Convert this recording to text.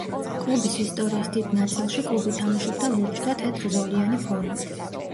კლუბის ისტორიის დიდ ნაწილში კლუბი თამაშობდა ლურჯ და თეთრ ზოლიანი ფორმით.